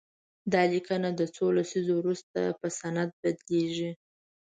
دا لیکنه د څو لسیزو وروسته په سند بدليږي.